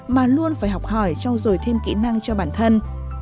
mà luôn phải học hỏi trong rồi thêm kỹ năng cho bản thân